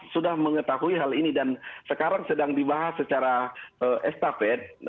sudah mengetahui hal ini dan sekarang sedang dibahas secara estafet